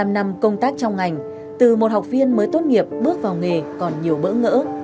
một mươi năm năm công tác trong ngành từ một học viên mới tốt nghiệp bước vào nghề còn nhiều bỡ ngỡ